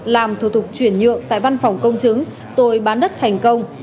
làm thuộc thuộc chuyển nhượng tại văn phòng công chứng rồi bán đất thành công